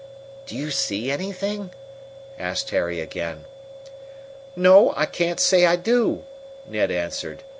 "Do you see anything?" asked Harry again. "No, I can't say I do," Ned answered.